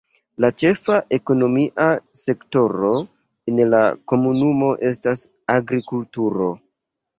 La ĉefa ekonomia sektoro en la komunumo estas agrikulturo.